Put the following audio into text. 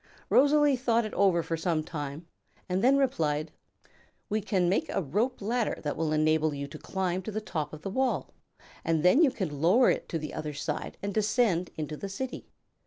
Rosalie thought it over for some time and then replied: "We can make a rope ladder that will enable you to climb to the top of the wall, and then you can lower it to the other side and descend into the City.